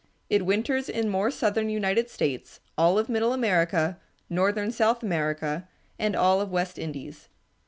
It winters in more southern United States, all of middle America, northern South America, and all of West Indies.